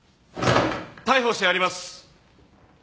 逮捕してやります！